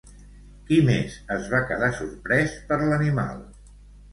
Qui més es va quedar sorprès per l'animal?